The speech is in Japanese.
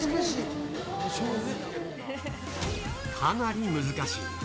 かなり難しい。